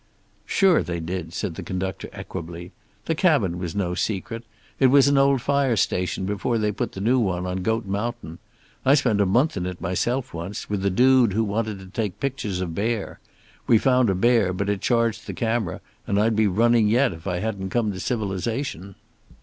"Sure they did," said the conductor equably. "The cabin was no secret. It was an old fire station before they put the new one on Goat Mountain. I spent a month in it myself, once, with a dude who wanted to take pictures of bear. We found a bear, but it charged the camera and I'd be running yet if I hadn't come to civilization."